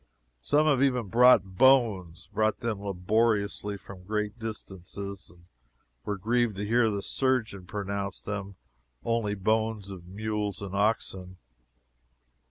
Some have even brought bones brought them laboriously from great distances, and were grieved to hear the surgeon pronounce them only bones of mules and oxen.